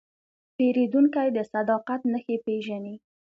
پیرودونکی د صداقت نښې پېژني.